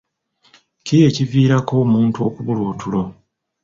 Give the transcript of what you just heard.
Ki ekiviirako omuntu okubulwa otulo?